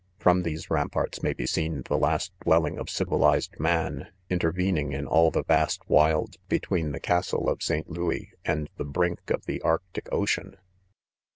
33 From these ramparts may be seen the last dwelling of civilized 'man, intervening in all the vast wilds: between: the castle of St. Louis and the brink of the arc tic ocean.